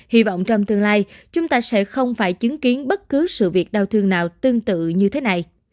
hy vọng trong tương lai chúng ta sẽ không phải chứng kiến bất cứ sự việc đau thương nào tương tự như thế này